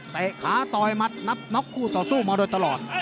ขาต่อยมัดนับน็อกคู่ต่อสู้มาโดยตลอด